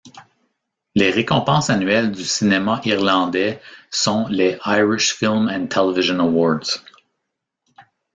Les récompenses annuelles du cinéma irlandais sont les Irish Film and Television Awards.